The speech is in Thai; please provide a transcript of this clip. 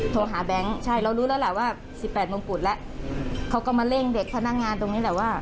โทรหาแบงค์ใช่เรารู้แล้วแหละว่าสิบแปดมงกุฎแล้วเขาก็มาเร่งเด็กพนักงานตรงนี้แหละว่า